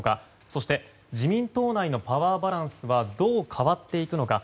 そして自民党内のパワーバランスはどう変わっていくのか。